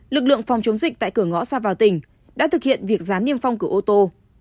lực lượng phòng chống dịch tại cửa ngõ ra vào tỉnh đã thực hiện việc gián niêm phong cửa ô tô